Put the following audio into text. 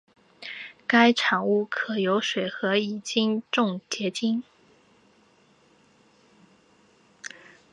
该产物可由水和乙腈重结晶。